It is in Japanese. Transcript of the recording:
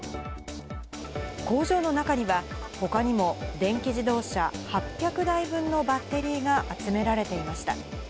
工場の中には、ほかにも電気自動車８００台分のバッテリーが集められていました。